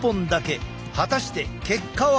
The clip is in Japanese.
果たして結果は。